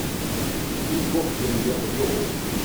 He's watching the other door.